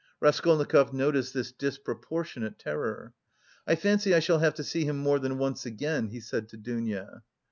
Raskolnikov noticed this disproportionate terror. "I fancy I shall have to see him more than once again," he said to Dounia.